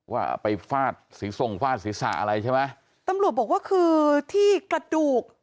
ว่าไปฟาดสีทรงฟาดศีรษะอะไรใช่ไหมตำรวจบอกว่าคือที่กระดูก